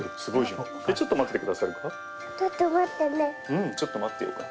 うんちょっと待ってようか。